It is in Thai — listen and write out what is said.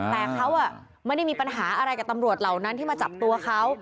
แต่เขาไม่ได้มีปัญหาอะไรกับตำรวจเหล่านั้นที่มาจับตัวเขา